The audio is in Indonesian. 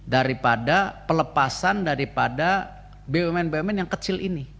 daripada pelepasan daripada bumn bumn yang kecil ini